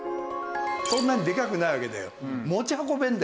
そんなにでかくないわけだよ。